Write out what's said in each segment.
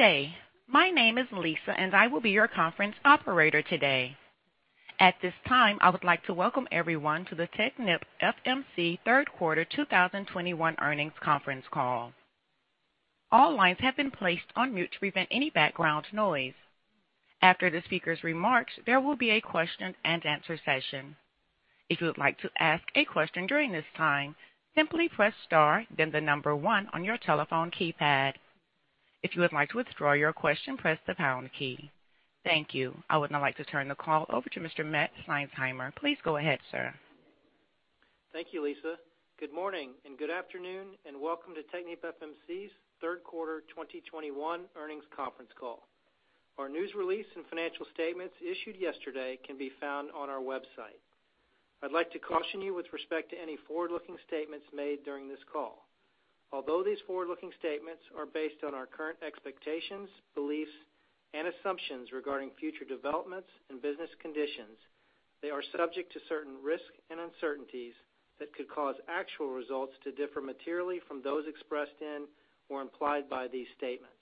Good day. My name is Lisa. I will be your conference operator today. At this time, I would like to welcome everyone to the TechnipFMC third quarter 2021 earnings conference call. All lines have been placed on mute to prevent any background noise. After the speaker's remarks, there will be a question-and-answer session. If you would like to ask a question during this time, simply press star, then the number one on your telephone keypad. If you would like to withdraw your question, press the pound key. Thank you. I would now like to turn the call over to Mr. Matt Seinsheimer. Please go ahead, sir. Thank you, Lisa. Good morning and good afternoon, and welcome to TechnipFMC's third quarter 2021 earnings conference call. Our news release and financial statements issued yesterday can be found on our website. I'd like to caution you with respect to any forward-looking statements made during this call. Although these forward-looking statements are based on our current expectations, beliefs, and assumptions regarding future developments and business conditions, they are subject to certain risks and uncertainties that could cause actual results to differ materially from those expressed in or implied by these statements.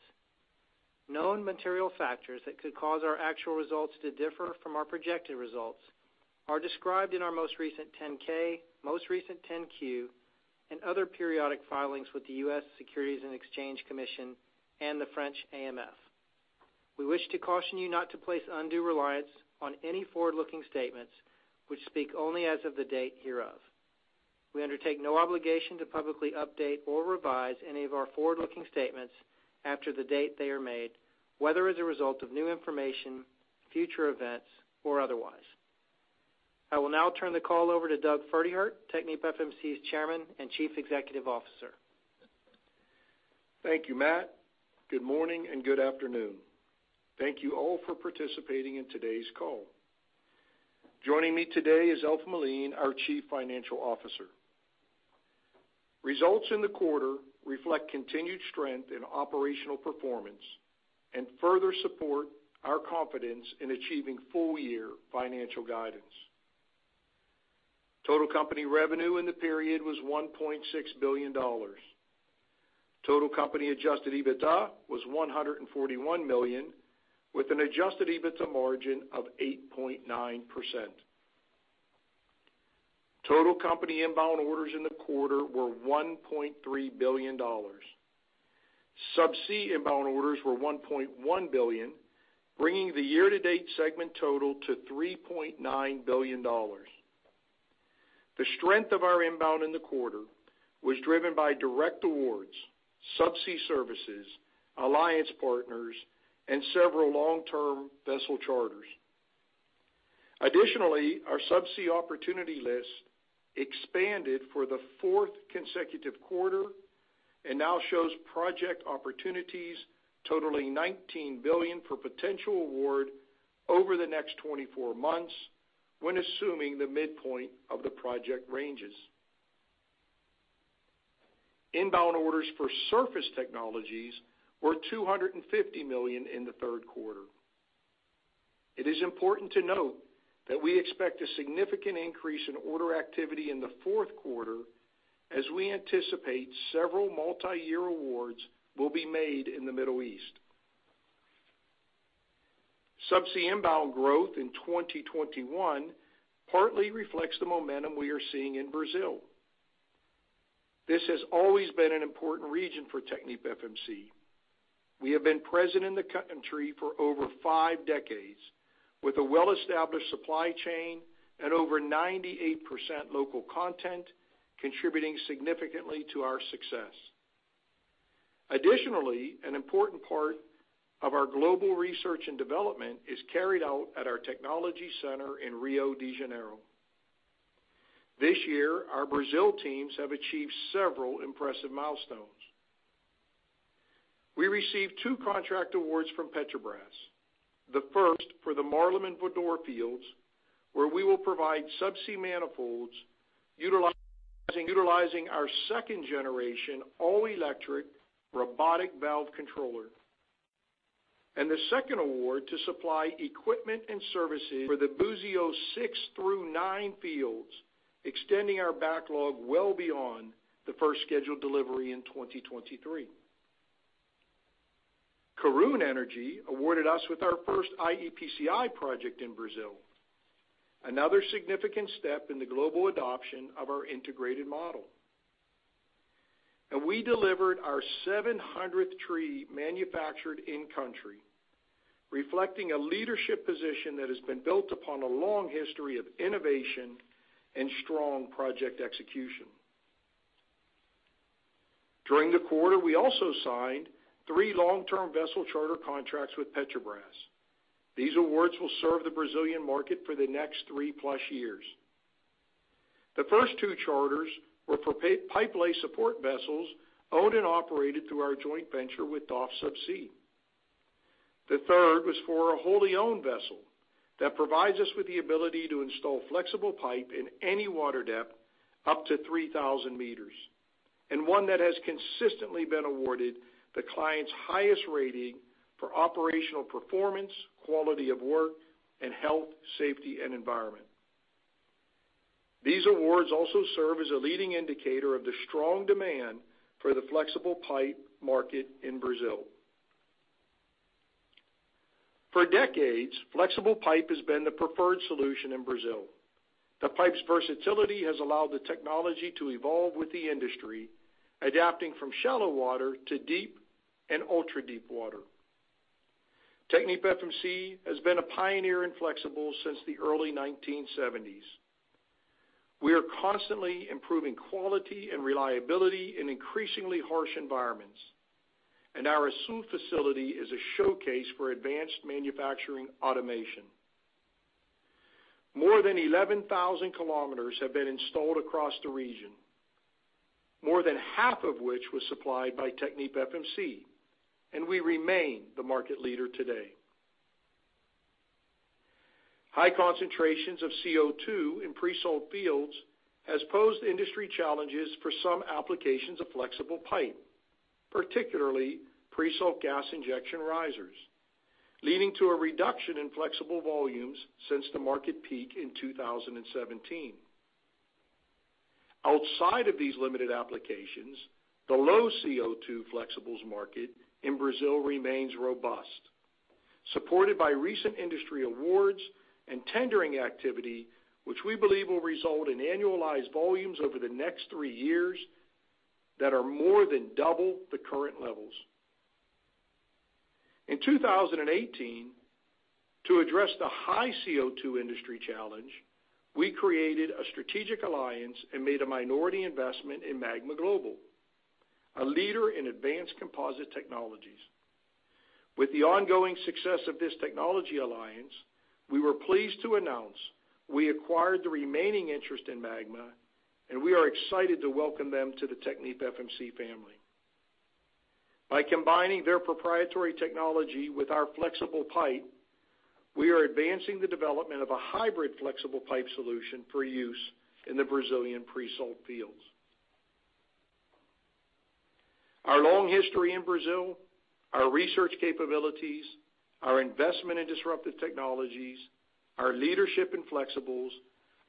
Known material factors that could cause our actual results to differ from our projected results are described in our most recent 10-K, most recent 10-Q, and other periodic filings with the U.S. Securities and Exchange Commission and the French AMF. We wish to caution you not to place undue reliance on any forward-looking statements which speak only as of the date hereof. We undertake no obligation to publicly update or revise any of our forward-looking statements after the date they are made, whether as a result of new information, future events, or otherwise. I will now turn the call over to Doug Pferdehirt, TechnipFMC's Chairman and Chief Executive Officer. Thank you, Matt. Good morning and good afternoon. Thank you all for participating in today's call. Joining me today is Alf Melin, our Chief Financial Officer. Results in the quarter reflect continued strength in operational performance and further support our confidence in achieving full-year financial guidance. Total company revenue in the period was $1.6 billion. Total company adjusted EBITDA was $141 million, with an adjusted EBITDA margin of 8.9%. Total company inbound orders in the quarter were $1.3 billion. Subsea inbound orders were $1.1 billion, bringing the year-to-date segment total to $3.9 billion. The strength of our inbound in the quarter was driven by direct awards, subsea services, alliance partners, and several long-term vessel charters. Additionally, our subsea opportunity list expanded for the fourth consecutive quarter and now shows project opportunities totaling $19 billion for potential award over the next 24 months when assuming the midpoint of the project ranges. Inbound orders for surface technologies were $250 million in the third quarter. It is important to note that we expect a significant increase in order activity in the fourth quarter, as we anticipate several multi-year awards will be made in the Middle East. Subsea inbound growth in 2021 partly reflects the momentum we are seeing in Brazil. This has always been an important region for TechnipFMC. We have been present in the country for over five decades with a well-established supply chain and over 98% local content contributing significantly to our success. Additionally, an important part of our global research and development is carried out at our technology center in Rio de Janeiro. This year, our Brazil teams have achieved several impressive milestones. We received two contract awards from Petrobras. The first for the Marlim and Voador fields, where we will provide subsea manifolds utilizing our second-generation all-electric Robotic Valve Controller. The second award to supply equipment and services for the Buzios 6 through 9 fields, extending our backlog well beyond the first scheduled delivery in 2023. Karoon Energy awarded us with our first iEPCI project in Brazil, another significant step in the global adoption of our integrated model. We delivered our 700th tree manufactured in-country, reflecting a leadership position that has been built upon a long history of innovation and strong project execution. During the quarter, we also signed three long-term vessel charter contracts with Petrobras. These awards will serve the Brazilian market for the next three plus years. The first two charters were for pipe-lay support vessels owned and operated through our joint venture with DOF Subsea. The third was for a wholly owned vessel that provides us with the ability to install flexible pipe in any water depth up to 3,000 m, and one that has consistently been awarded the client's highest rating for operational performance, quality of work, and health, safety, and environment. These awards also serve as a leading indicator of the strong demand for the flexible pipe market in Brazil. For decades, flexible pipe has been the preferred solution in Brazil. The pipe's versatility has allowed the technology to evolve with the industry, adapting from shallow water to deep and ultra-deep water. TechnipFMC has been a pioneer in flexible since the early 1970s. We are constantly improving quality and reliability in increasingly harsh environments. Our Açu facility is a showcase for advanced manufacturing automation. More than 11,000 km have been installed across the region, more than half of which was supplied by TechnipFMC, and we remain the market leader today. High concentrations of CO2 in pre-salt fields has posed industry challenges for some applications of flexible pipe, particularly pre-salt gas injection risers, leading to a reduction in flexible volumes since the market peak in 2017. Outside of these limited applications, the low CO2 flexibles market in Brazil remains robust, supported by recent industry awards and tendering activity, which we believe will result in annualized volumes over the next three years that are more than double the current levels. In 2018, to address the high CO2 industry challenge, we created a strategic alliance and made a minority investment in Magma Global, a leader in advanced composite technologies. With the ongoing success of this technology alliance, we were pleased to announce we acquired the remaining interest in Magma, and we are excited to welcome them to the TechnipFMC family. By combining their proprietary technology with our flexible pipe, we are advancing the development of a Hybrid Flexible Pipe solution for use in the Brazilian pre-salt fields. Our long history in Brazil, our research capabilities, our investment in disruptive technologies, our leadership in flexibles,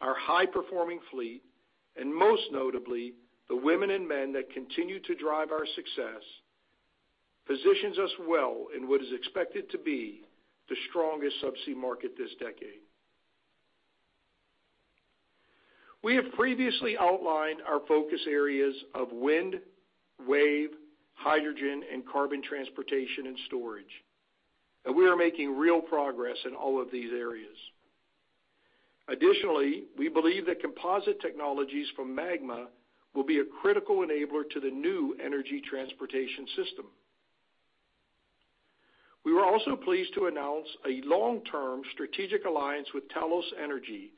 our high-performing fleet, and most notably, the women and men that continue to drive our success, positions us well in what is expected to be the strongest subsea market this decade. We have previously outlined our focus areas of wind, wave, hydrogen, and carbon transportation and storage, and we are making real progress in all of these areas. Additionally, we believe that composite technologies from Magma Global will be a critical enabler to the new energy transportation system. We were also pleased to announce a long-term strategic alliance with Talos Energy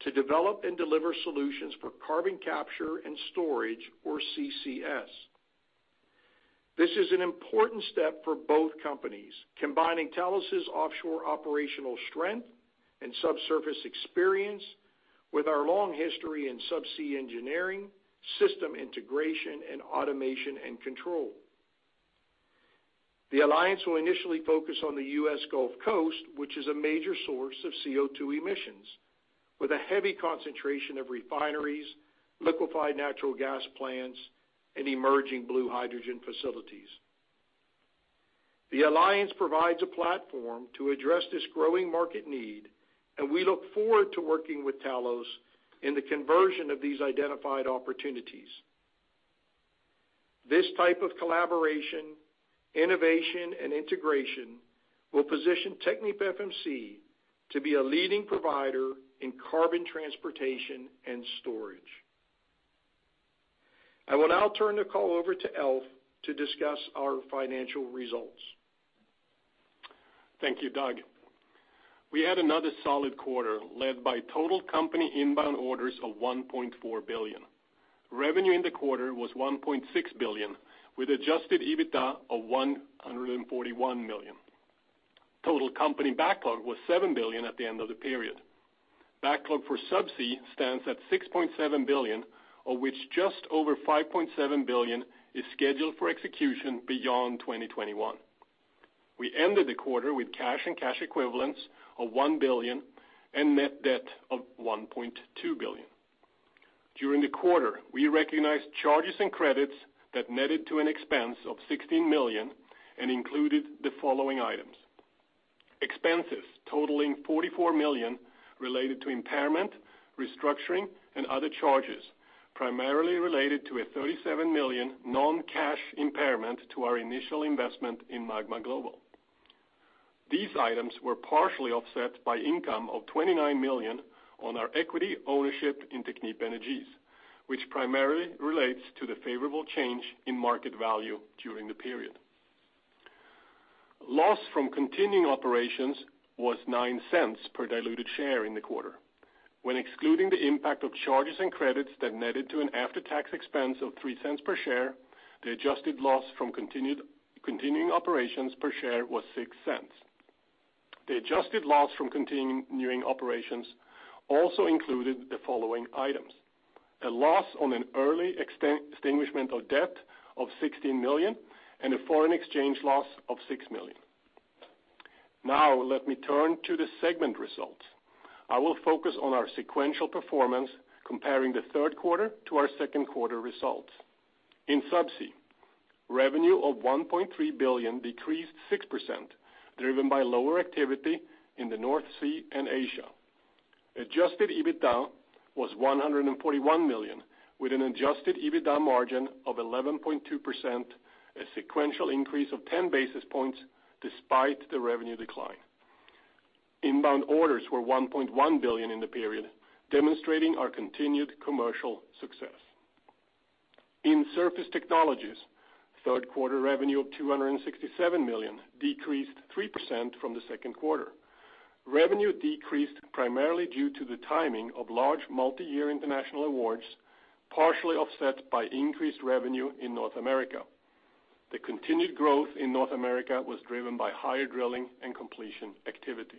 to develop and deliver solutions for carbon capture and storage, or CCS. This is an important step for both companies, combining Talos' offshore operational strength and subsurface experience with our long history in subsea engineering, system integration, and automation and control. The alliance will initially focus on the U.S. Gulf Coast, which is a major source of CO2 emissions, with a heavy concentration of refineries, liquefied natural gas plants, and emerging blue hydrogen facilities. The alliance provides a platform to address this growing market needs. We look forward to working with Talos in the conversion of these identified opportunities. This type of collaboration, innovation, and integration will position TechnipFMC to be a leading provider in carbon transportation and storage. I will now turn the call over to Alf to discuss our financial results. Thank you, Doug. We had another solid quarter, led by total company inbound orders of $1.4 billion. Revenue in the quarter was $1.6 billion, with adjusted EBITDA of $141 million. Total company backlog was $7 billion at the end of the period. Backlog for subsea stands at $6.7 billion, of which just over $5.7 billion is scheduled for execution beyond 2021. We ended the quarter with cash and cash equivalents of $1 billion and net debt of $1.2 billion. During the quarter, we recognized charges and credits that netted to an expense of $16 million and included the following items: expenses totaling $44 million related to impairment, restructuring, and other charges, primarily related to a $37 million non-cash impairment to our initial investment in Magma Global. These items were partially offset by income of $29 million on our equity ownership in Technip Energies, which primarily relates to the favorable change in market value during the period. Loss from continuing operations was $0.09 per diluted share in the quarter. When excluding the impact of charges and credits that netted to an after-tax expense of $0.03 per share, the adjusted loss from continuing operations per share was $0.06. The adjusted loss from continuing operations also included the following items: a loss on an early extinguishment of debt of $16 million and a foreign exchange loss of $6 million. Let me turn to the segment results. I will focus on our sequential performance, comparing the third quarter to our second quarter results. In Subsea, revenue of $1.3 billion decreased 6%, driven by lower activity in the North Sea and Asia. Adjusted EBITDA was $141 million, with an adjusted EBITDA margin of 11.2%, a sequential increase of 10 basis points despite the revenue decline. Inbound orders were $1.1 billion in the period, demonstrating our continued commercial success. In Surface Technologies, third quarter revenue of $267 million decreased 3% from the second quarter. Revenue decreased primarily due to the timing of large multi-year international awards, partially offset by increased revenue in North America. The continued growth in North America was driven by higher drilling and completion activity.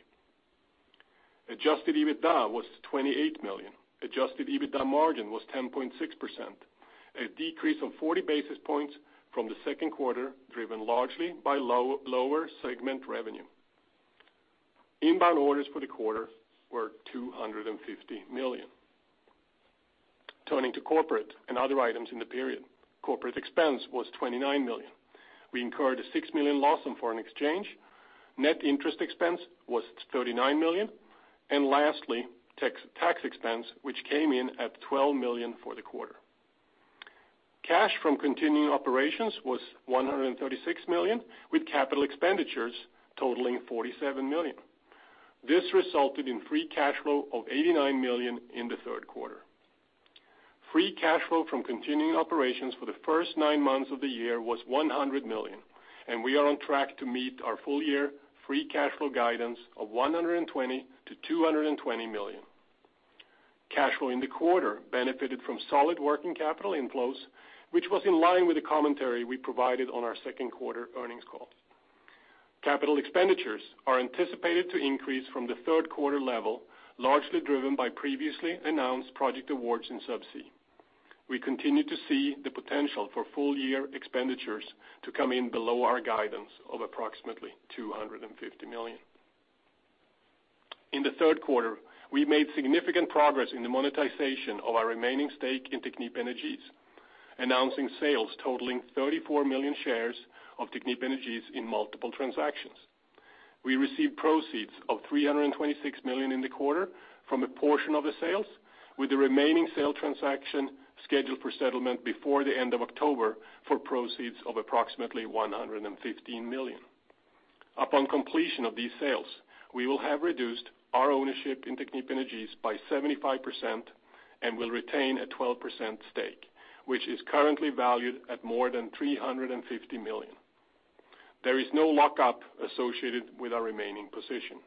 Adjusted EBITDA was $28 million. Adjusted EBITDA margin was 10.6%, a decrease of 40 basis points from the second quarter, driven largely by lower segment revenue. Inbound orders for the quarter were $250 million. Turning to corporate and other items in the period, corporate expense was $29 million. We incurred a $6 million loss on foreign exchange. Net interest expense was $39 million, and lastly, tax expense, which came in at $12 million for the quarter. Cash from continuing operations was $136 million, with capital expenditures totaling $47 million. This resulted in free cash flow of $89 million in the third quarter. Free cash flow from continuing operations for the first nine months of the year was $100 million, and we are on track to meet our full year free cash flow guidance of $120 million-$220 million. Cash flow in the quarter benefited from solid working capital inflows, which was in line with the commentary we provided on our second quarter earnings call. Capital expenditures are anticipated to increase from the third quarter level, largely driven by previously announced project awards in Subsea. We continue to see the potential for full year expenditures to come in below our guidance of approximately $250 million. In the third quarter, we made significant progress in the monetization of our remaining stake in Technip Energies, announcing sales totaling 34 million shares of Technip Energies in multiple transactions. We received proceeds of $326 million in the quarter from a portion of the sales, with the remaining sale transaction scheduled for settlement before the end of October for proceeds of approximately $115 million. Upon completion of these sales, we will have reduced our ownership in Technip Energies by 75% and will retain a 12% stake, which is currently valued at more than $350 million. There is no lockup associated with our remaining position.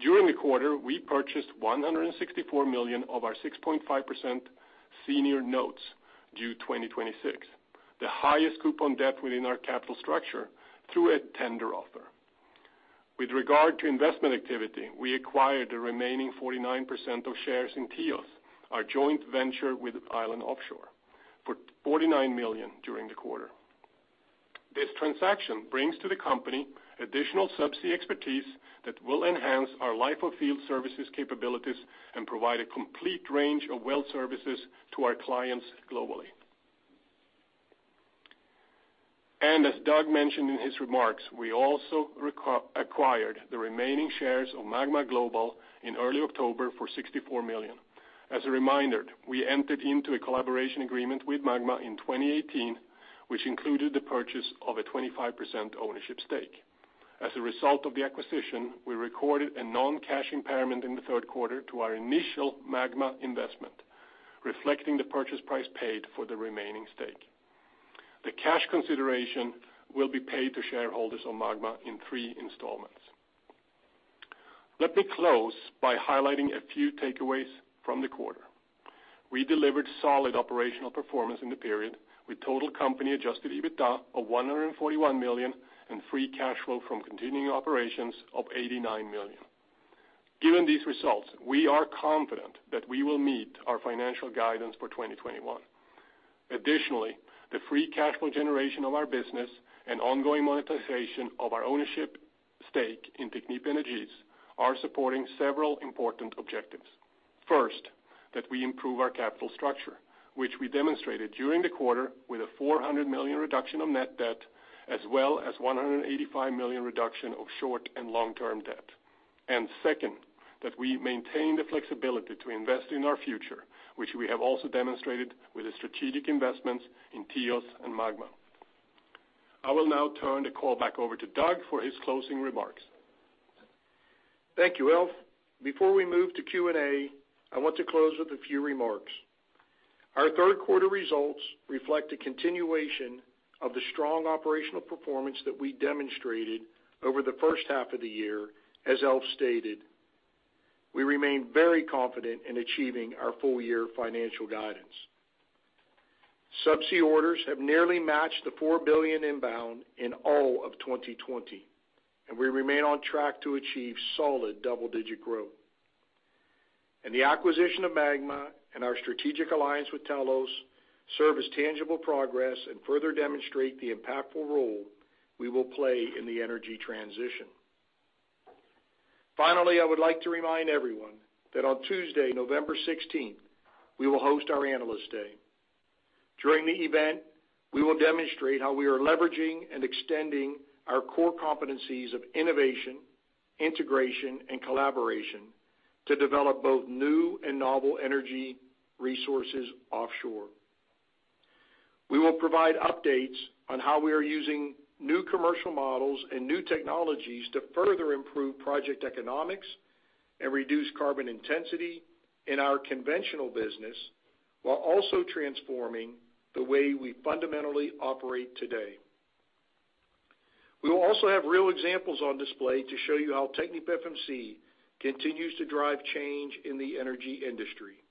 During the quarter, we purchased $164 million of our 6.5% senior notes due 2026, the highest coupon debt within our capital structure, through a tender offer. With regard to investment activity, we acquired the remaining 49% of shares in TIOS, our joint venture with Island Offshore, for $49 million during the quarter. This transaction brings to the company additional Subsea expertise that will enhance our life of field services capabilities and provide a complete range of well services to our clients globally. As Doug mentioned in his remarks, we also acquired the remaining shares of Magma Global in early October for $64 million. As a reminder, we entered into a collaboration agreement with Magma in 2018, which included the purchase of a 25% ownership stake. As a result of the acquisition, we recorded a non-cash impairment in the third quarter to our initial Magma investment, reflecting the purchase price paid for the remaining stake. The cash consideration will be paid to shareholders of Magma in three installments. Let me close by highlighting a few takeaways from the quarter. We delivered solid operational performance in the period, with total company adjusted EBITDA of $141 million and free cash flow from continuing operations of $89 million. Given these results, we are confident that we will meet our financial guidance for 2021. Additionally, the free cash flow generation of our business and ongoing monetization of our ownership stake in Technip Energies are supporting several important objectives. First, that we improve our capital structure, which we demonstrated during the quarter with a $400 million reduction of net debt, as well as $185 million reduction of short and long-term debt. Second, that we maintain the flexibility to invest in our future, which we have also demonstrated with the strategic investments in TIOS and Magma. I will now turn the call back over to Doug for his closing remarks. Thank you, Alf. Before we move to Q&A, I want to close with a few remarks. Our third quarter results reflect a continuation of the strong operational performance that we demonstrated over the first half of the year, as Alf stated. We remain very confident in achieving our full year financial guidance. Subsea orders have nearly matched the $4 billion inbound in all of 2020, and we remain on track to achieve solid double-digit growth. The acquisition of Magma and our strategic alliance with Talos serve as tangible progress and further demonstrate the impactful role we will play in the energy transition. Finally, I would like to remind everyone that on Tuesday, November 16th, we will host our Analyst Day. During the event, we will demonstrate how we are leveraging and extending our core competencies of innovation, integration, and collaboration to develop both new and novel energy resources offshore. We will provide updates on how we are using new commercial models and new technologies to further improve project economics and reduce carbon intensity in our conventional business while also transforming the way we fundamentally operate today. We will also have real examples on display to show you how TechnipFMC continues to drive change in the energy industry.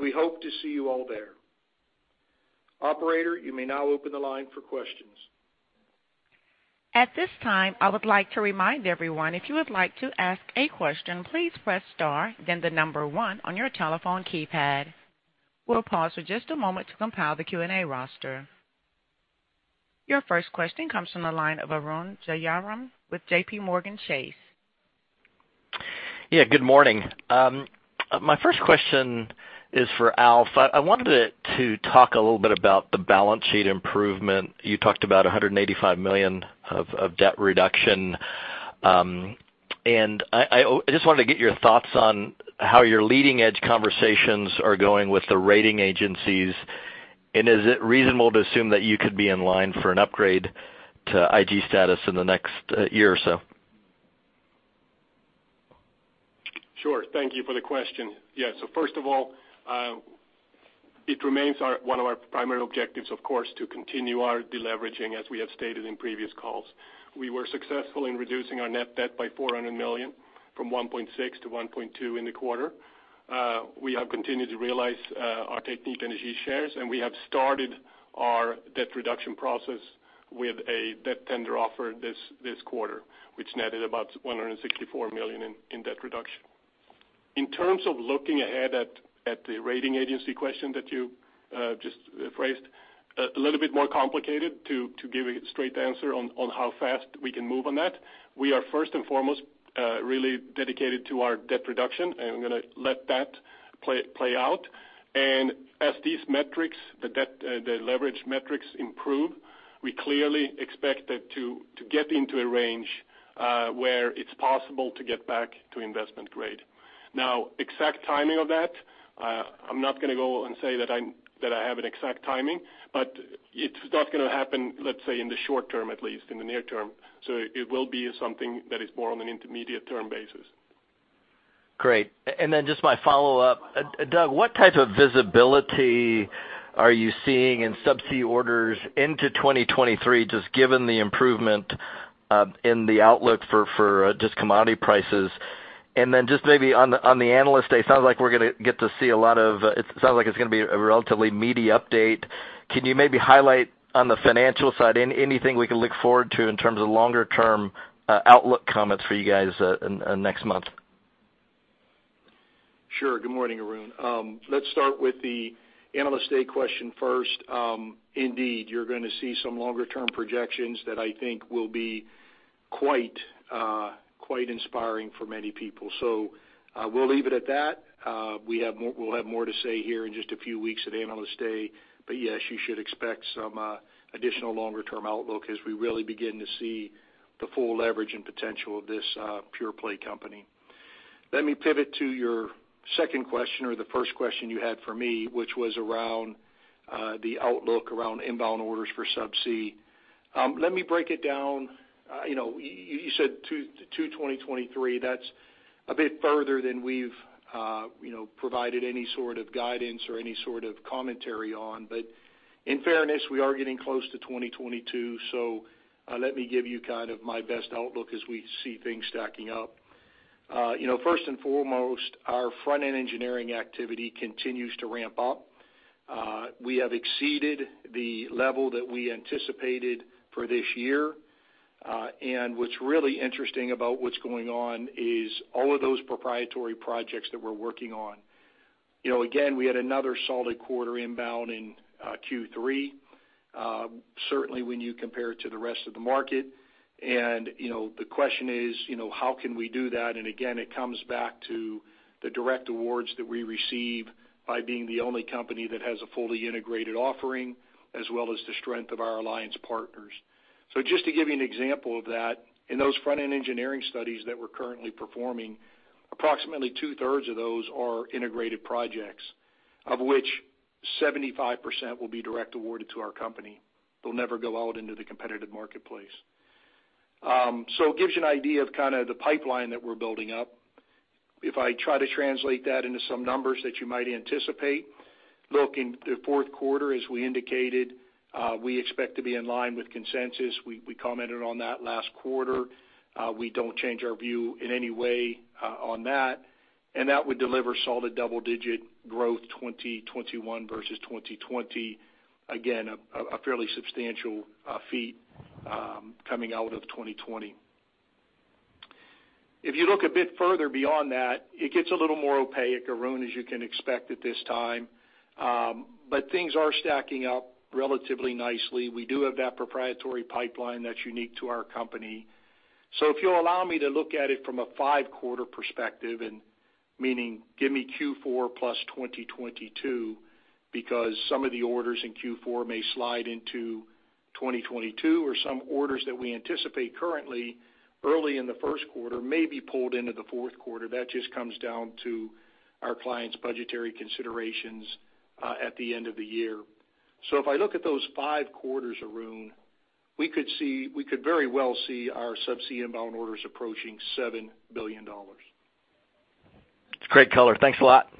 We hope to see you all there. Operator, you may now open the line for questions. At this time, I would like to remind everyone, if you would like to ask a question, please press star one on your telephone keypad. We'll pause for just a moment to compile the Q&A roster. Your first question comes from the line of Arun Jayaram with JPMorgan Chase. Yeah, good morning. My first question is for Alf. I wanted to talk a little bit about the balance sheet improvement. You talked about $185 million of debt reduction. I just wanted to get your thoughts on how your leading-edge conversations are going with the rating agencies, and is it reasonable to assume that you could be in line for an upgrade to IG status in the next year or so? Sure. Thank you for the question. Yeah. First of all, it remains one of our primary objectives, of course, to continue our deleveraging, as we have stated in previous calls. We were successful in reducing our net debt by $400 million, from $1.6 billion to $1.2 billion in the quarter. We have continued to realize our Technip Energies shares, and we have started our debt reduction process with a debt tender offer this quarter, which netted about $264 million in debt reduction. In terms of looking ahead at the rating agency question that you just phrased, a little bit more complicated to give a straight answer on how fast we can move on that. We are first and foremost really dedicated to our debt reduction, and I'm going to let that play out. As these metrics, the leverage metrics improve, we clearly expect that to get into a range where it's possible to get back to investment grade. Exact timing of that, I'm not going to go and say that I have an exact timing, but it's not going to happen, let's say, in the short term, at least in the near term. It will be something that is more on an intermediate term basis. Great. Just my follow-up. Doug, what type of visibility are you seeing in subsea orders into 2023, just given the improvement in the outlook for just commodity prices? Just maybe on the Analyst Day, it sounds like it is going to be a relatively meaty update. Can you maybe highlight on the financial side anything we can look forward to in terms of longer-term outlook comments for you guys next month? Sure. Good morning, Arun. Let's start with the Analyst Day question first. Indeed, you're going to see some longer-term projections that I think will be quite inspiring for many people. We'll leave it at that. We'll have more to say here in just a few weeks at Analyst Day. Yes, you should expect some additional longer-term outlook as we really begin to see the full leverage and potential of this pure-play company. Let me pivot to your second question or the first question you had for me, which was around the outlook around inbound orders for subsea. Let me break it down. You said to 2023. That's a bit further than we've provided any sort of guidance or any sort of commentary on. In fairness, we are getting close to 2022. Let me give you my best outlook as we see things stacking up. First and foremost, our front-end engineering activity continues to ramp up. We have exceeded the level that we anticipated for this year. What's really interesting about what's going on is all of those proprietary projects that we're working on. Again, we had another solid quarter inbound in Q3, certainly when you compare it to the rest of the market. The question is, how can we do that? Again, it comes back to the direct awards that we receive by being the only company that has a fully integrated offering, as well as the strength of our alliance partners. Just to give you an example of that, in those front-end engineering studies that we're currently performing, approximately two-thirds of those are integrated projects, of which 75% will be direct awarded to our company. They'll never go out into the competitive marketplace. It gives you an idea of the pipeline that we're building up. If I try to translate that into some numbers that you might anticipate, look, in the fourth quarter, as we indicated, we expect to be in line with consensus. We commented on that last quarter. We don't change our view in any way on that. That would deliver solid double-digit growth 2021 versus 2020. Again, a fairly substantial feat coming out of 2020. If you look a bit further beyond that, it gets a little more opaque, Arun, as you can expect at this time. Things are stacking up relatively nicely. We do have that proprietary pipeline that's unique to our company. If you'll allow me to look at it from a five quarter perspective, meaning give me Q4 plus 2022, because some of the orders in Q4 may slide into 2022 or some orders that we anticipate currently early in the first quarter may be pulled into the 4th quarter. That just comes down to our clients' budgetary considerations at the end of the year. If I look at those five quarters, Arun, we could very well see our subsea inbound orders approaching $7 billion. It's a great color. Thanks a lot.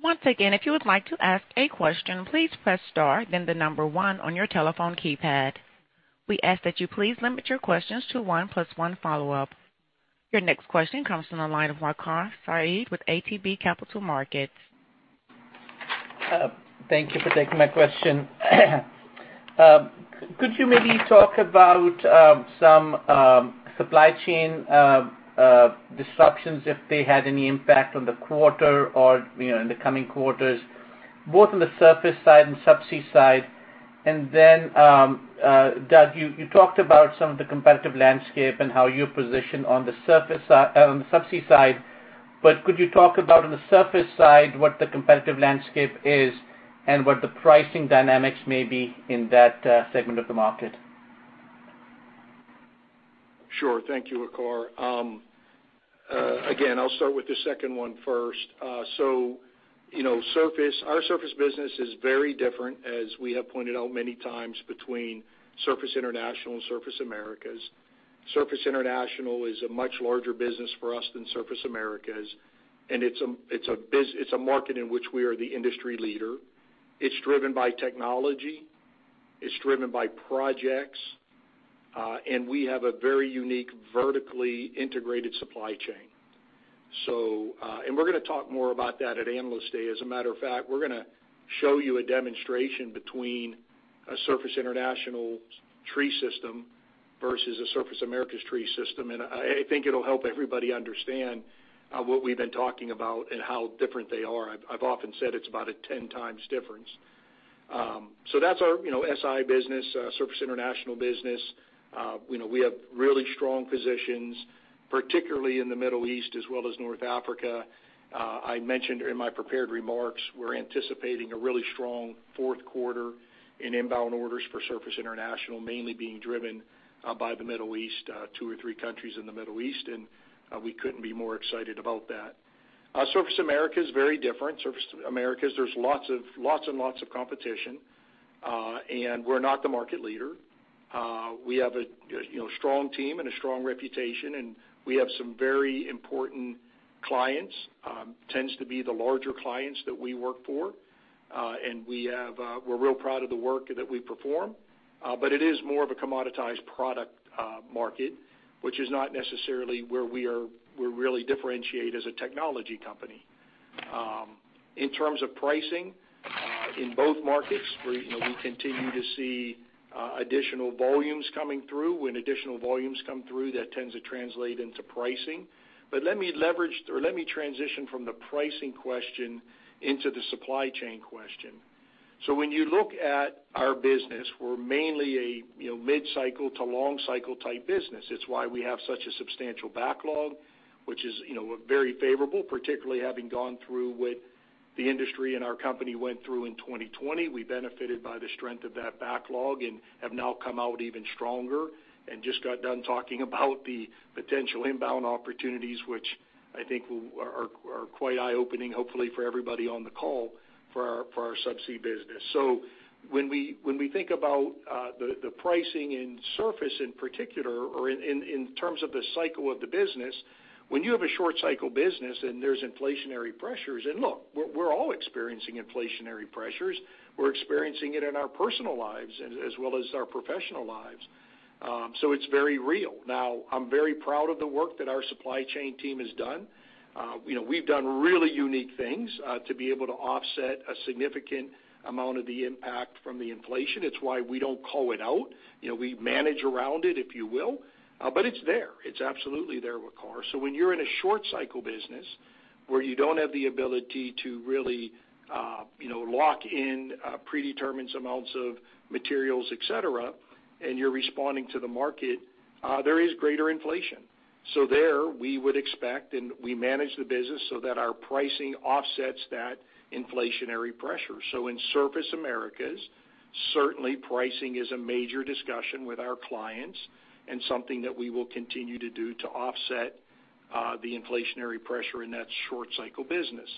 Once again, if you would like to ask a question, please press star then the number one on your telephone keypad. We ask that you please limit your questions to one plus one follow-up. Your next question comes from the line of Waqar Sadiq with ATB Capital Markets. Thank you for taking my question. Could you maybe talk about some supply chain disruptions, if they had any impact on the quarter or in the coming quarters, both on the surface side and subsea side? Doug, you talked about some of the competitive landscape and how you position on the subsea side, but could you talk about on the surface side what the competitive landscape is and what the pricing dynamics may be in that segment of the market? Sure. Thank you, Waqar. I'll start with the second one first. Our surface business is very different, as we have pointed out many times between Surface International and Surface Americas. Surface International is a much larger business for us than Surface Americas, and it's a market in which we are the industry leader. It's driven by technology, it's driven by projects, and we have a very unique vertically integrated supply chain. We're going to talk more about that at Analyst Day. As a matter of fact, we're going to show you a demonstration between a Surface International tree system versus a Surface Americas tree system. I think it'll help everybody understand what we've been talking about and how different they are. I've often said it's about a 10 times difference. That's our SI business, Surface International business. We have really strong positions, particularly in the Middle East as well as North Africa. I mentioned in my prepared remarks, we're anticipating a really strong fourth quarter in inbound orders for Surface International, mainly being driven by the Middle East, two or three countries in the Middle East, and we couldn't be more excited about that. Surface Americas is very different. Surface Americas, there's lots and lots of competition. We're not the market leader. We have a strong team and a strong reputation, and we have some very important clients, tends to be the larger clients that we work for. We're real proud of the work that we perform. It is more of a commoditized product market, which is not necessarily where we really differentiate as a technology company. In terms of pricing in both markets, we continue to see additional volumes coming through. When additional volumes come through, that tends to translate into pricing. Let me transition from the pricing question into the supply chain question. When you look at our business, we're mainly a mid-cycle to long cycle type business. It's why we have such a substantial backlog, which is very favorable, particularly having gone through what the industry and our company went through in 2020. We benefited by the strength of that backlog and have now come out even stronger and just got done talking about the potential inbound opportunities, which I think are quite eye-opening, hopefully, for everybody on the call for our subsea business. When we think about the pricing in Surface in particular, or in terms of the cycle of the business, when you have a short cycle business and there's inflationary pressures, and look, we're all experiencing inflationary pressures. We're experiencing it in our personal lives as well as our professional lives. It's very real. I'm very proud of the work that our supply chain team has done. We've done really unique things to be able to offset a significant amount of the impact from the inflation. It's why we don't call it out. We manage around it, if you will. It's there. It's absolutely there, Waqar. When you're in a short cycle business where you don't have the ability to really lock in predetermined amounts of materials, et cetera, and you're responding to the market, there is greater inflation. There we would expect, and we manage the business so that our pricing offsets that inflationary pressure. In Surface Americas, certainly pricing is a major discussion with our clients and something that we will continue to do to offset the inflationary pressure in that short cycle business.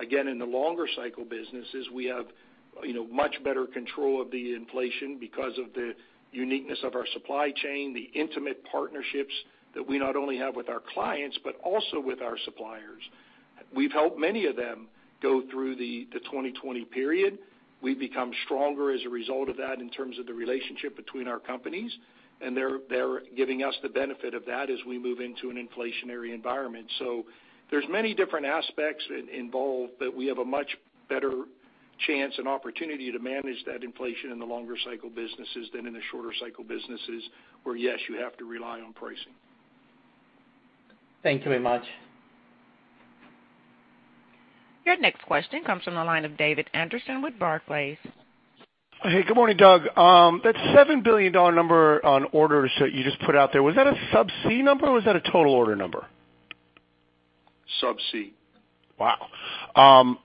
In the longer cycle businesses, we have much better control of the inflation because of the uniqueness of our supply chain, the intimate partnerships that we not only have with our clients, but also with our suppliers. We've helped many of them go through the 2020 period. We've become stronger as a result of that in terms of the relationship between our companies, and they're giving us the benefit of that as we move into an inflationary environment. There's many different aspects involved that we have a much better chance and opportunity to manage that inflation in the longer cycle businesses than in the shorter cycle businesses, where yes, you have to rely on pricing. Thank you very much. Your next question comes from the line of David Anderson with Barclays. Hey, good morning, Doug. That $7 billion number on orders that you just put out there, was that a subsea number or was that a total order number? Subsea. Wow. On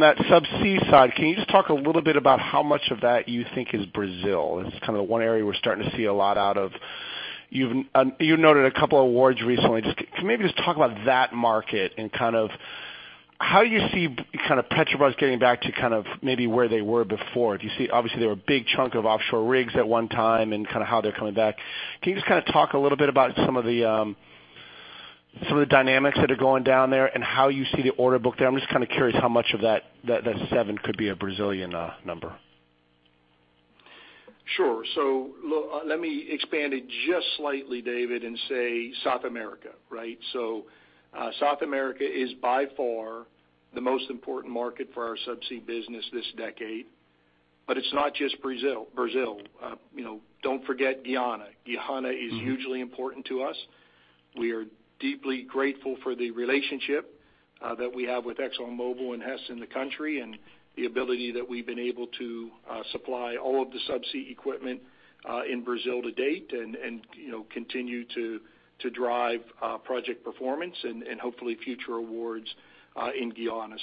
that subsea side, can you just talk a little bit about how much of that you think is Brazil? It's kind of one area we're starting to see a lot out of. You noted a couple of awards recently. Just maybe just talk about that market and how you see Petrobras getting back to maybe where they were before. Obviously, they were a big chunk of offshore rigs at one time and kind of how they're coming back. Can you just talk a little bit about some of the dynamics that are going down there and how you see the order book there? I'm just kind of curious how much of that seven could be a Brazilian number. Sure. Let me expand it just slightly, David, and say South America, right? South America is by far the most important market for our subsea business this decade, but it's not just Brazil. Don't forget Guyana. Guyana is hugely important to us. We are deeply grateful for the relationship that we have with ExxonMobil and Hess in the country, and the ability that we've been able to supply all of the subsea equipment in Brazil to date and continue to drive project performance and hopefully future awards in Guyana.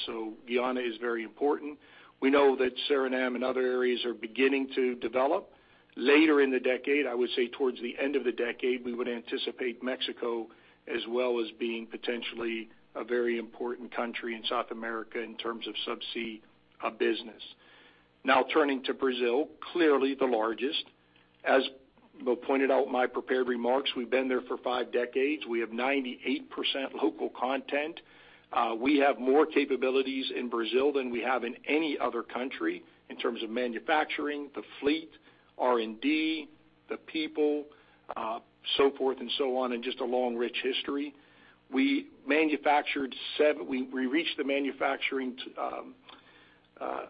Guyana is very important. We know that Suriname and other areas are beginning to develop. Later in the decade, I would say towards the end of the decade, we would anticipate Mexico as well as being potentially a very important country in South America in terms of subsea business. Now turning to Brazil, clearly the largest. As pointed out in my prepared remarks, we've been there for five decades. We have 98% local content. We have more capabilities in Brazil than we have in any other country in terms of manufacturing, the fleet, R&D, the people, so forth and so on, and just a long, rich history. We reached the manufacturing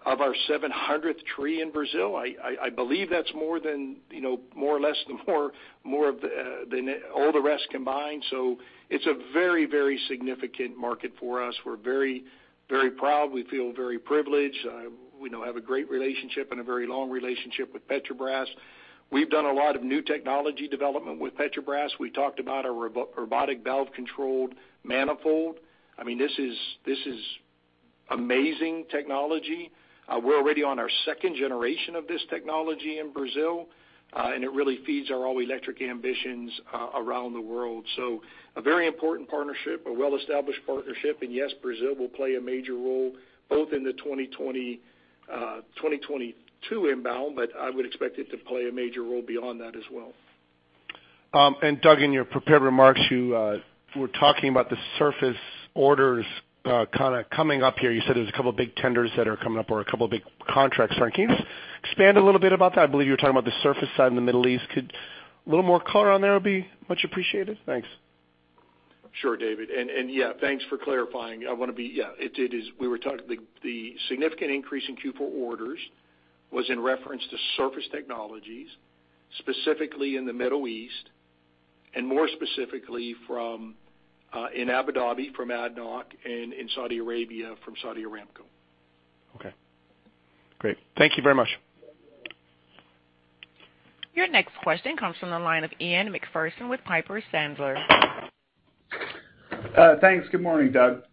of our 700th tree in Brazil. I believe that's more or less than all the rest combined. It's a very, very significant market for us. We're very, very proud. We feel very privileged. We now have a great relationship and a very long relationship with Petrobras. We've done a lot of new technology development with Petrobras. We talked about our robotic valve-controlled manifold. This is amazing technology. We're already on our second generation of this technology in Brazil, and it really feeds our all-electric ambitions around the world. A very important partnership, a well-established partnership. Yes, Brazil will play a major role both in the 2022 inbound, but I would expect it to play a major role beyond that as well. Doug, in your prepared remarks, you were talking about the Surface orders kind of coming up here. You said there's a couple of big tenders that are coming up or a couple of big contracts. Can you just expand a little bit about that? I believe you were talking about the Surface side in the Middle East. Could a little more color on there be much appreciated? Thanks. Sure, David. Yeah, thanks for clarifying. We were talking, the significant increase in Q4 orders was in reference to surface technologies, specifically in the Middle East, and more specifically in Abu Dhabi from ADNOC and in Saudi Arabia from Saudi Aramco. Okay, great. Thank you very much. Your next question comes from the line of Ian Macpherson with Piper Sandler. Thanks. Good morning, Doug.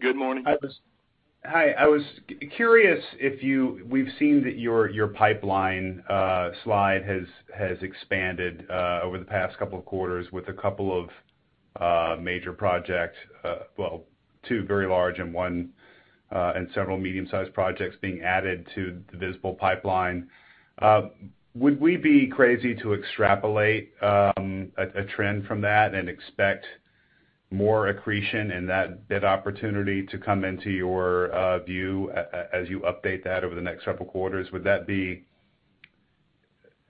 Good morning. Hi. I was curious. We've seen that your pipeline slide has expanded over the past couple of quarters with a couple of major projects, well, two very large and one several medium-sized projects being added to the visible pipeline. Would we be crazy to extrapolate a trend from that and expect more accretion in that opportunity to come into your view as you update that over the next couple of quarters? Would that be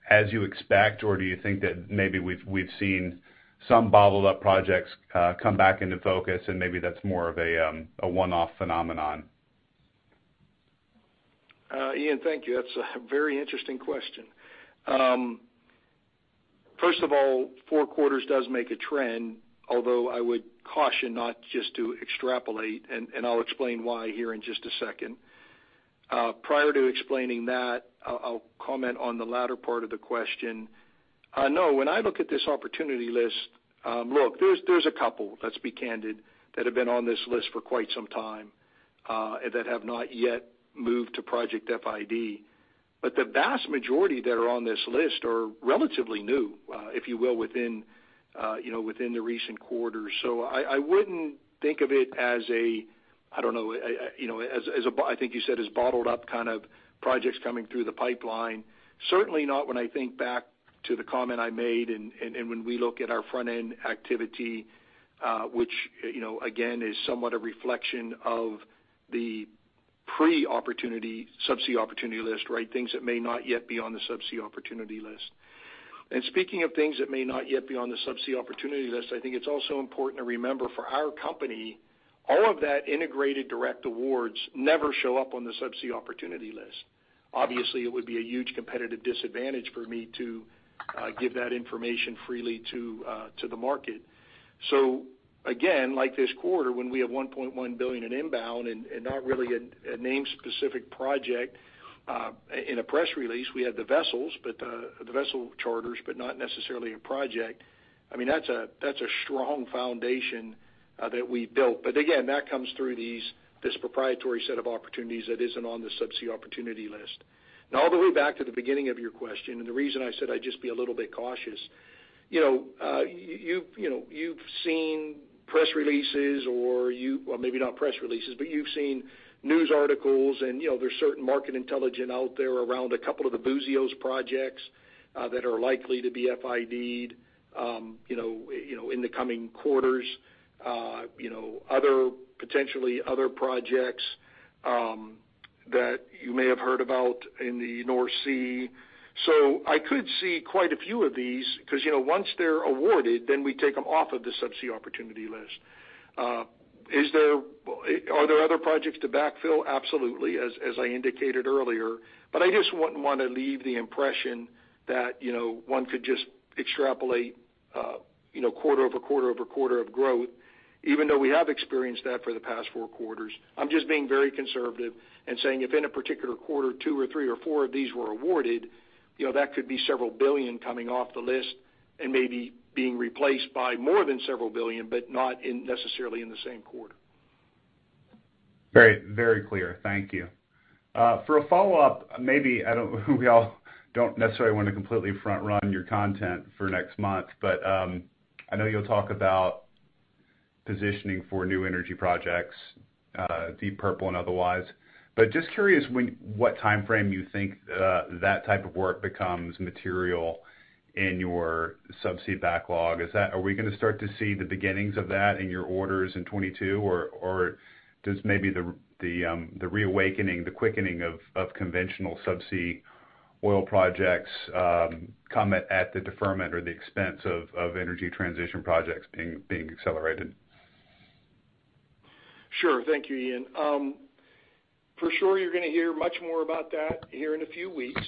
as you expect, or do you think that maybe we've seen some bottled-up projects come back into focus and maybe that's more of a one-off phenomenon? Ian, thank you. That's a very interesting question. First of all, four quarters does make a trend, although I would caution not just to extrapolate, and I'll explain why here in just a second. Prior to explaining that, I'll comment on the latter part of the question. No, when I look at this opportunity list, look, there's a couple, let's be candid, that have been on this list for quite some time that have not yet moved to project FID. The vast majority that are on this list are relatively new, if you will, within the recent quarter. I wouldn't think of it as a, I don't know, I think you said as bottled up kind of projects coming through the pipeline. Certainly not when I think back to the comment I made and when we look at our front-end activity, which, again, is somewhat a reflection of the pre-opportunity, subsea opportunity list, right? Things that may not yet be on the subsea opportunity list. Speaking of things that may not yet be on the subsea opportunity list, I think it's also important to remember for our company, all of that integrated direct awards never show up on the subsea opportunity list. Obviously, it would be a huge competitive disadvantage for me to give that information freely to the market. Again, like this quarter when we have $1.1 billion in inbound and not really a name-specific project. In a press release, we had the vessel charters, but not necessarily a project. That's a strong foundation that we built. Again, that comes through this proprietary set of opportunities that isn't on the subsea opportunity list. All the way back to the beginning of your question, and the reason I said I'd just be a little bit cautious. You've seen press releases, or well, maybe not press releases, but you've seen news articles and there's certain market intelligence out there around a couple of the Buzios projects that are likely to be FID'd in the coming quarters. Potentially other projects that you may have heard about in the North Sea. I could see quite a few of these because once they're awarded, then we take them off of the subsea opportunity list. Are there other projects to backfill? Absolutely, as I indicated earlier. I just wouldn't want to leave the impression that one could just extrapolate quarter-over-quarter of growth, even though we have experienced that for the past four quarters. I'm just being very conservative and saying if in a particular quarter, two or three or four of these were awarded, that could be several billion coming off the list and maybe being replaced by more than several billion, but not necessarily in the same quarter. Very clear. Thank you. For a follow-up, maybe, I don't know we all don't necessarily want to completely front-run your content for next month, I know you'll talk about positioning for new energy projects, Deep Purple and otherwise. Just curious what timeframe you think that type of work becomes material in your subsea backlog. Are we going to start to see the beginnings of that in your orders in 2022, or does maybe the reawakening, the quickening of conventional subsea oil projects come at the deferment or the expense of energy transition projects being accelerated? Sure. Thank you, Ian. For sure you're gonna hear much more about that here in a few weeks.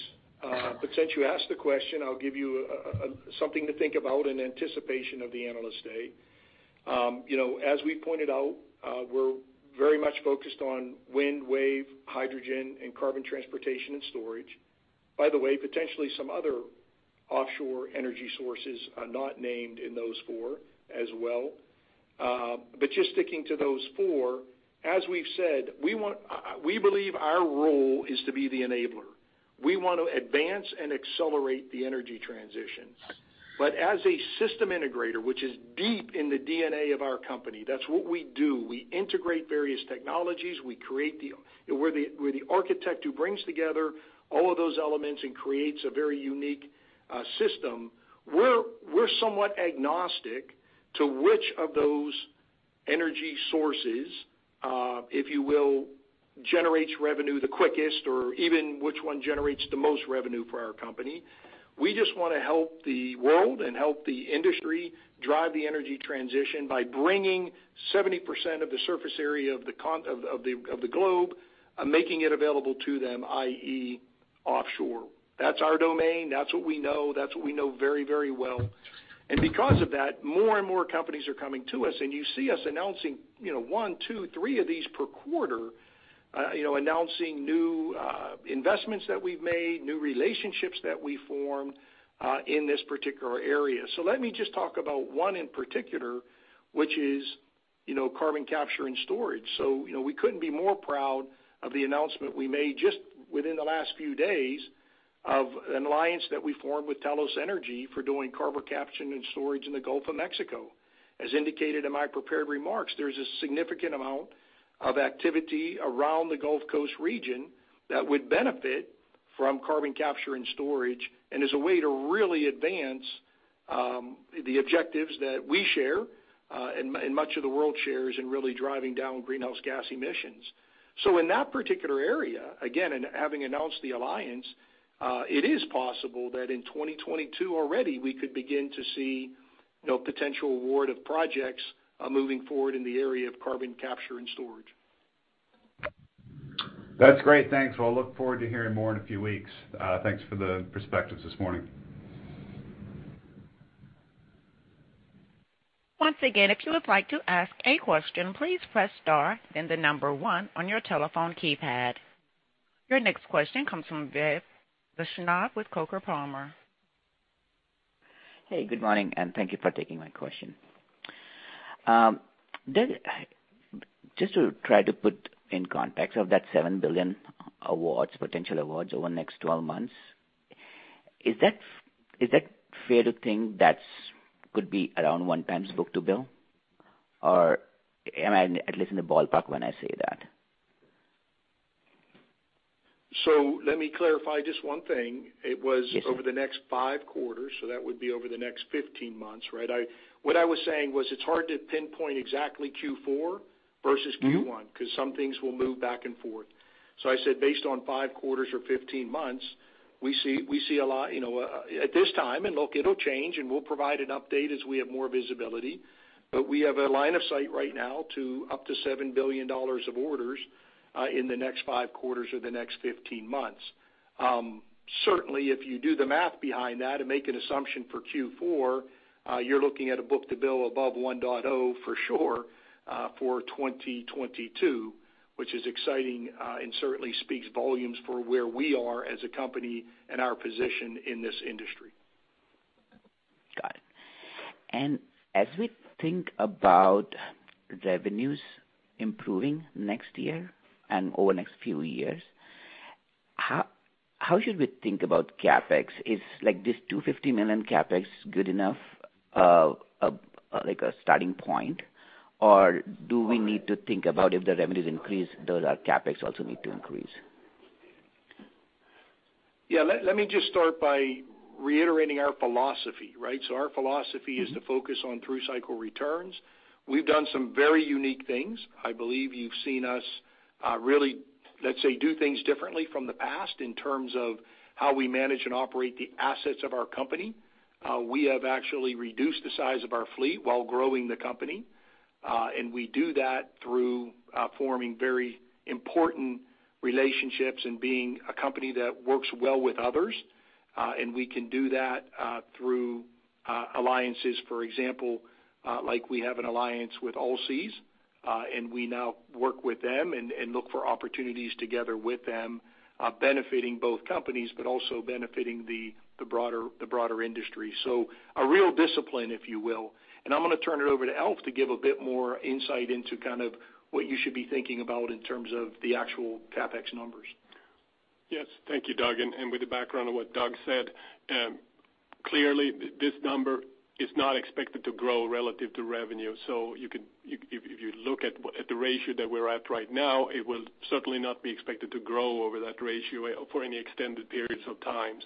Since you asked the question, I'll give you something to think about in anticipation of the Analyst Day. As we pointed out, we're very much focused on wind, wave, hydrogen, and carbon transportation and storage. By the way, potentially some other offshore energy sources are not named in those four as well. Just sticking to those four, as we've said, we believe our role is to be the enabler. We want to advance and accelerate the energy transition. As a system integrator, which is deep in the DNA of our company, that's what we do. We integrate various technologies. We're the architect who brings together all of those elements and creates a very unique system. We're somewhat agnostic to which of those energy sources, if you will, generates revenue the quickest, or even which one generates the most revenue for our company. We just want to help the world and help the industry drive the energy transition by bringing 70% of the surface area of the globe, making it available to them, i.e., offshore. That's our domain. That's what we know. That's what we know very well. Because of that, more and more companies are coming to us, and you see us announcing one, two, three of these per quarter. Announcing new investments that we've made, new relationships that we formed, in this particular area. Let me just talk about one in particular, which is carbon capture and storage. We couldn't be more proud of the announcement we made just within the last few days of an alliance that we formed with Talos Energy for doing carbon capture and storage in the Gulf of Mexico. As indicated in my prepared remarks, there's a significant amount of activity around the Gulf Coast region that would benefit from carbon capture and storage, and is a way to really advance the objectives that we share, and much of the world shares in really driving down greenhouse gas emissions. In that particular area, again, and having announced the alliance, it is possible that in 2022 already, we could begin to see potential award of projects moving forward in the area of carbon capture and storage. That's great. Thanks. Well, I look forward to hearing more in a few weeks. Thanks for the perspectives this morning. Once again if you would like to ask a question please press star then the number one on your telephone keypad. Your next question comes from Vaibhav Vaishnav with Coker & Palmer. Hey, good morning, and thank you for taking my question. Just to try to put in context of that $7 billion potential awards over the next 12 months, is that fair to think that could be around one times book-to-bill? Or am I at least in the ballpark when I say that? Let me clarify just one thing. Yes. It was over the next five quarters, that would be over the next 15 months, right? What I was saying was, it's hard to pinpoint exactly Q4 versus Q1, because some things will move back and forth. I said, based on five quarters or 15 months, we see a lot at this time, and look, it'll change, and we'll provide an update as we have more visibility. We have a line of sight right now to up to $7 billion of orders in the next five quarters or the next 15 months. Certainly, if you do the math behind that and make an assumption for Q4, you're looking at a book-to-bill above 1.0 for sure for 2022, which is exciting and certainly speaks volumes for where we are as a company and our position in this industry. Got it. As we think about revenues improving next year and over the next few years, how should we think about CapEx? Is this $250 million CapEx good enough, like a starting point? Or do we need to think about if the revenues increase, does our CapEx also need to increase? Let me just start by reiterating our philosophy. Our philosophy is to focus on through-cycle returns. We've done some very unique things. I believe you've seen us really, let's say, do things differently from the past in terms of how we manage and operate the assets of our company. We have actually reduced the size of our fleet while growing the company. We do that through forming very important relationships and being a company that works well with others. We can do that through alliances. For example, we have an alliance with Allseas, and we now work with them and look for opportunities together with them, benefiting both companies, but also benefiting the broader industry. A real discipline, if you will. I'm going to turn it over to Alf to give a bit more insight into what you should be thinking about in terms of the actual CapEx numbers. Yes. Thank you, Doug. With the background of what Doug said, clearly, this number is not expected to grow relative to revenue. If you look at the ratio that we're at right now, it will certainly not be expected to grow over that ratio for any extended periods of times.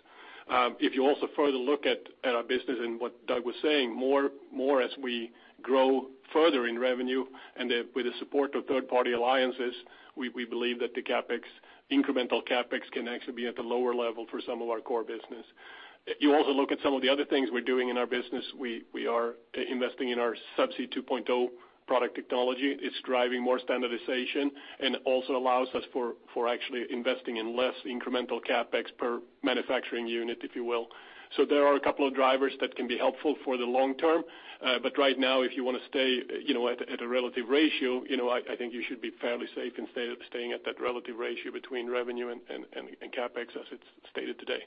If you also further look at our business and what Doug was saying, more as we grow further in revenue and with the support of third-party alliances, we believe that the incremental CapEx can actually be at the lower level for some of our core business. You also look at some of the other things we're doing in our business. We are investing in our Subsea 2.0 product technology. It's driving more standardization and also allows us for actually investing in less incremental CapEx per manufacturing unit, if you will. There are a couple of drivers that can be helpful for the long term. Right now, if you want to stay at a relative ratio, I think you should be fairly safe in staying at that relative ratio between revenue and CapEx as it's stated today.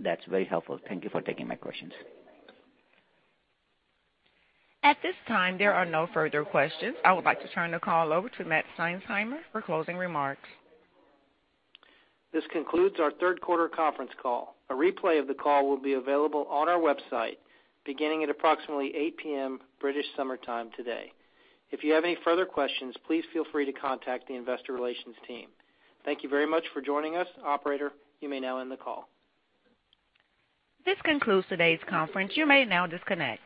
That's very helpful. Thank you for taking my questions. At this time, there are no further questions. I would like to turn the call over to Matt Seinsheimer for closing remarks. This concludes our third quarter conference call. A replay of the call will be available on our website beginning at approximately 8:00 P.M. British Summer Time today. If you have any further questions, please feel free to contact the Investor Relations team. Thank you very much for joining us. Operator, you may now end the call. This concludes today's conference. You may now disconnect.